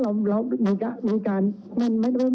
เรามีการปิดบันทึกจับกลุ่มเขาหรือหลังเกิดเหตุแล้วเนี่ย